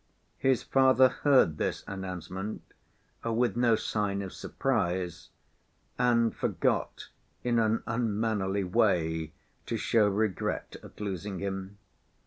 His father heard this announcement with no sign of surprise, and forgot in an unmannerly way to show regret at losing him.